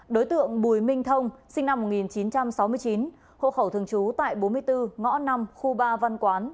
đối tượng bùi minh thông sinh năm một nghìn chín trăm sáu mươi chín hộ khẩu thường trú tại bốn mươi bốn ngõ năm khu ba văn quán